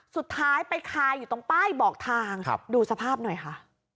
สุดท้ายไปคาอยู่ตรงป้ายบอกทางดูสภาพหน่อยค่ะ